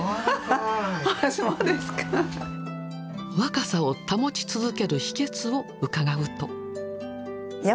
若さを保ち続ける秘けつを伺うと。